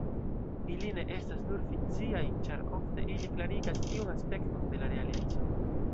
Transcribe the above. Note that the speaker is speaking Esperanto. Ili ne estas nur fikciaj, ĉar ofte ili klarigas iun aspekton de la realeco.